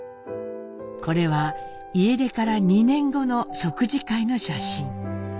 これは家出から２年後の食事会の写真。